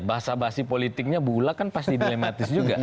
bahasa bahasi politiknya bu ula kan pasti dilematis juga